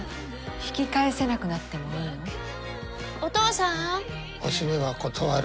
引き返せなくなってもいいの？おしめは断る。